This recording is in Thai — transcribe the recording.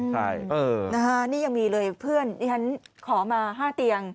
ใช่เออนี่ยังมีเลยเพื่อนขอมา๕เตียง